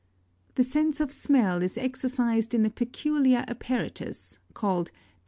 27. The sense of smell is exercised in a peculiar apparatus, called the nasal fossa?.